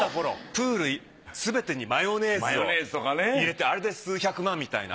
プールすべてにマヨネーズを入れてあれで数百万みたいな。